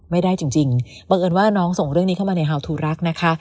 ไม่ได้จริงบังเอิญว่าน้องส่งเรื่องนี้เข้ามาในฮาวทูรักนะคะ